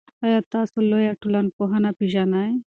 آیا تاسو لویه ټولنپوهنه پېژنئ؟